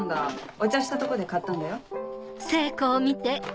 お茶したとこで買ったんだよ。